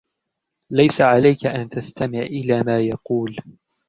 ليس عليك أن تستمع إلی ما يقول.